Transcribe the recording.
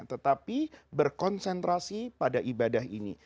tetapi berkonsentrasi pada ibadah ini